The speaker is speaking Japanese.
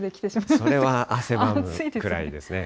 それは汗ばむくらいですね。